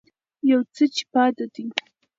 يو څه چې پاتې دي